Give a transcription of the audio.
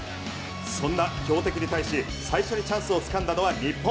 そんな標的に対し最初にチャンスを掴んだのは日本。